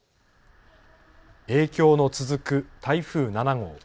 影響の続く台風７号。